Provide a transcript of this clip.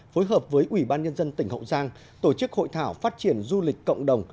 phối hợp với ủy ban nhân dân tỉnh hậu giang tổ chức hội thảo phát triển du lịch cộng đồng